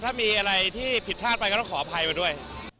ถ้ามีอะไรที่ผิดพลาดไปก็ต้องขออภัยมาด้วย